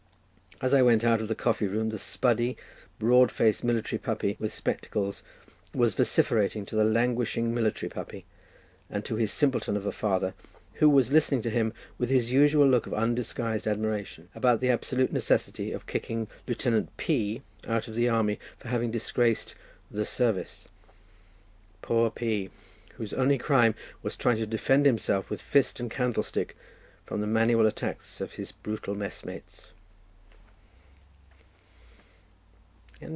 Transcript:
As I went out of the coffee room, the spuddy, broad faced military puppy with spectacles was vociferating to the languishing military puppy, and to his old simpleton of a father, who was listening to him with his usual look of undisguised admiration, about the absolute necessity of kicking Lieutenant P— out of the army for having disgraced "the service." Poor P—, whose only crime was trying to defend himself with fist and candlestick from the manual attacks of his brutal messmates.